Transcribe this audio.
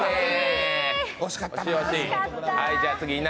惜しかったな。